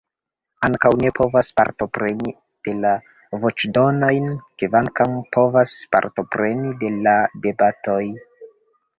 Ankaŭ ne povas partopreni de la voĉdonojn, kvankam povas partopreni de la debatoj.